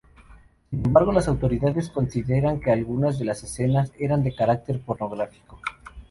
Sin embargo, las autoridades consideran que algunas de las escenas eran de carácter pornográfico.